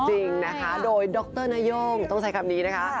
จริงนะคะโดยดรนโย่งต้องใช้คำนี้นะคะ